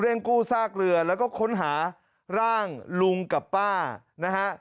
กู้ซากเรือแล้วก็ค้นหาร่างลุงกับป้านะฮะ